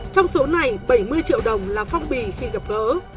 trong số này bảy mươi triệu đồng là phong bì khi gặp gỡ